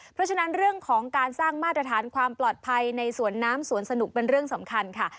เพราะฉะนั้นเรื่องของการสร้างมาตรฐานความปลอดภัยในสวนน้ำสวนสนุกเป็นเรื่องสำคัญค่ะ